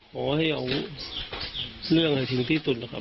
ขอให้เอาเรื่องที่สุดนะครับ